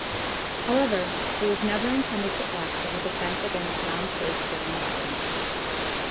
However, it was never intended to act as a defense against non-space faring weapons.